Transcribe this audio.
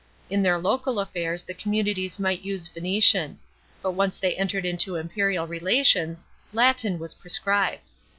In their local affairs the communities might use Phoenician ; but once they entered into imperial relations, Latin was prescribed.